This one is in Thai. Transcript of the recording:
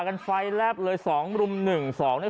กลับมาพร้อมขอบความ